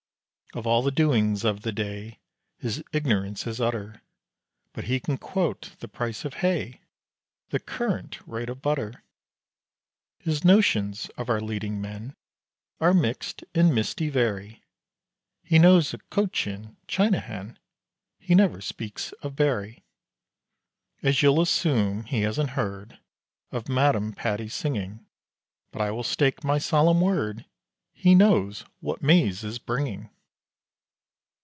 Of all the doings of the day His ignorance is utter; But he can quote the price of hay, The current rate of butter. His notions of our leading men Are mixed and misty very: He knows a cochin china hen He never speaks of Berry. As you'll assume, he hasn't heard Of Madame Patti's singing; But I will stake my solemn word He knows what maize is bringing.